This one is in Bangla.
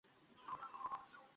কী করব আমি?